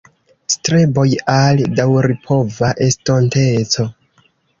Streboj al daŭripova estonteco.